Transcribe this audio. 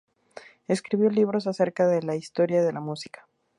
Escribió libros acerca de la historia de la música.